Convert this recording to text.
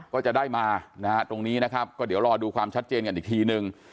ก็จะได้มานะฮะตรงนี้นะครับก็เดี๋ยวรอดูความชัดเจนกันอีกทีนึง